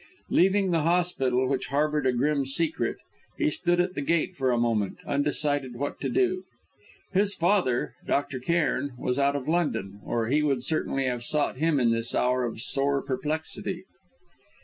Leaving the hospital, which harboured a grim secret, he stood at the gate for a moment, undecided what to do. His father, Dr. Cairn, was out of London, or he would certainly have sought him in this hour of sore perplexity.